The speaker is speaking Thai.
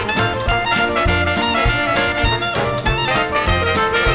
โปรดติดตามต่อไป